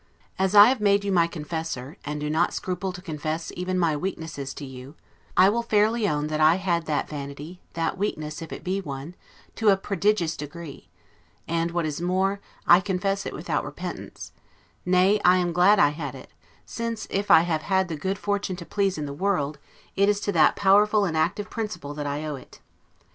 As I have made you my confessor, and do not scruple to confess even my weaknesses to you, I will fairly own that I had that vanity, that weakness, if it be one, to a prodigious degree; and, what is more, I confess it without repentance: nay, I am glad I had it; since, if I have had the good fortune to please in the world, it is to that powerful and active principle that I owe it.